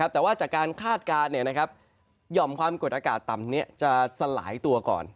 แต่ว่าจากการคาดการณ์หย่อมความกดอากาศต่ำนี้จะสลายตัวก่อน